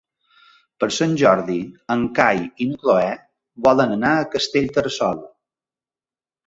Per Sant Jordi en Cai i na Cloè volen anar a Castellterçol.